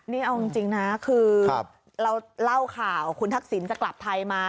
นี่เอาจริงจริงนะคือครับเราเล่าข่าวคุณทักศิลป์จะกลับไทยมา